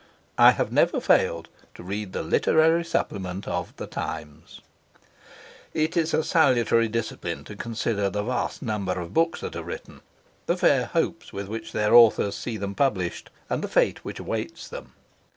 I have never failed to read the Literary Supplement of . It is a salutary discipline to consider the vast number of books that are written, the fair hopes with which their authors see them published, and the fate which awaits them.